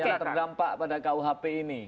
yang terdampak pada kuhp ini